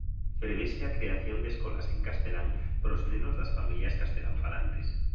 Prevese a creación de escolas en castelán para os nenos das familias castelán falantes.